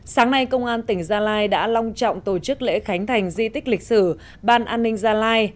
sáng nay công an tỉnh gia lai đã long trọng tổ chức lễ khánh thành di tích lịch sử ban an ninh gia lai